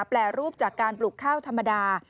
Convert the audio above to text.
แปรรูปจากการปลูกข้าวธรรมดา